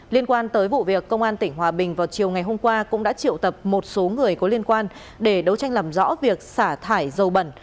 liên quan tới vụ việc công an tỉnh hòa bình vào chiều ngày hôm qua cũng đã triệu tập một số người có liên quan để đấu tranh làm rõ việc xả thải dầu bẩn